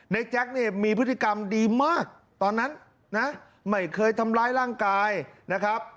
แจ๊คเนี่ยมีพฤติกรรมดีมากตอนนั้นนะไม่เคยทำร้ายร่างกายนะครับ